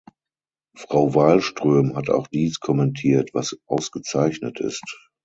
Frau Wallström hat auch dies kommentiert, was ausgezeichnet ist.